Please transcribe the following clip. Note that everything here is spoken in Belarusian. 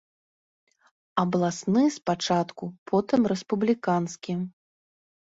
Абласны спачатку, потым рэспубліканскі.